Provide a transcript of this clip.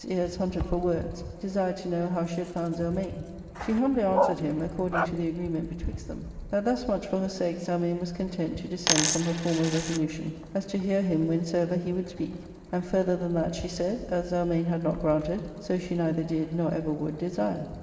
ears hunted for words, desired to know how she had found Zelmane. She humbly answered him, according to the agreement betwixt them, that thus much for her sake Zelmane was content to descend from her former resolution as to hear him whensoever he would speak ; and further than that, she said, as Zelmane had not granted, so she neither did nor ever would desire.